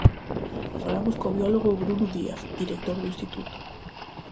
Falamos co biólogo Bruno Díaz, director do instituto.